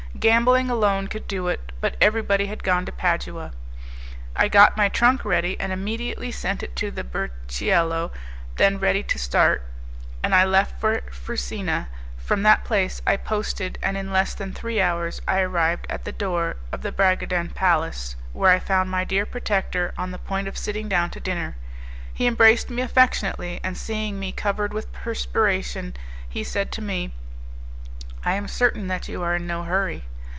Gambling alone could do it, but everybody had gone to Padua. I got my trunk ready, and immediately sent it to the burchiello then ready to start, and I left for Frusina. From that place I posted, and in less than three hours I arrived at the door of the Bragadin Palace, where I found my dear protector on the point of sitting down to dinner. He embraced me affectionately, and seeing me covered with perspiration he said to me, "I am certain that you are in no hurry."